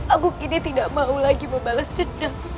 aku kini tidak mau lagi membalas dendam